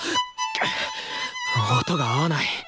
くっ音が合わない！